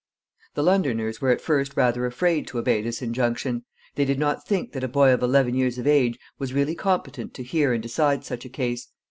The Londoners were at first rather afraid to obey this injunction. They did not think that a boy of eleven years of age was really competent to hear and decide such a case.